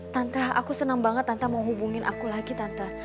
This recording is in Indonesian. tante aku senang banget tante mau hubungin aku lagi tante